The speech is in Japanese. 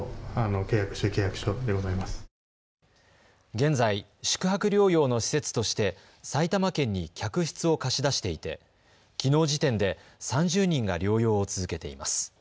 現在、宿泊療養の施設として埼玉県に客室を貸し出していてきのう時点で３０人が療養を続けています。